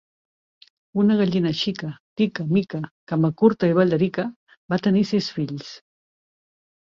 Una gallina xica, tica, mica, camacurta i ballarica, va tenir sis fills.